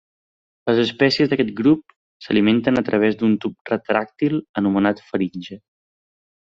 Les espècies d'aquest grup s'alimenten a través d'un tub retràctil anomenat faringe.